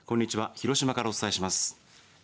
広島からお伝えします。